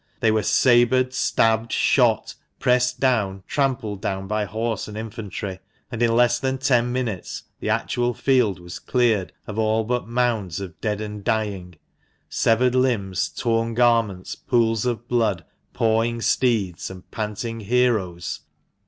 They were sabred, stabbed, shot, pressed down, trampled down by horse and infantry ; and in less than ten minutes, the actual field was cleared of all but mounds of dead and dying, severed limbs, torn garments, pools of blood, pawing steeds and panting heroes